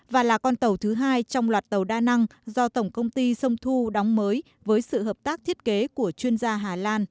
và là con tàu thứ hai trong loạt tàu đa năng do tổng công ty sông thu đóng mới với sự hợp tác thiết kế của chuyên gia hà lan